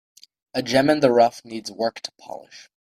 A gem in the rough needs work to polish.